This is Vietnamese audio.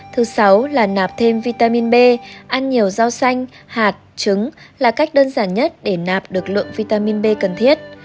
thứ sáu là nạp thêm vitamin b ăn nhiều rau xanh hạt trứng là cách đơn giản nhất để nạp được lượng vitamin b cần thiết